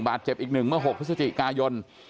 เจ็บอีก๑เมื่อ๖พฤศจิกายน